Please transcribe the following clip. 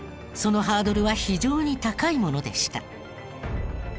そのハードルは非常に高いものでした。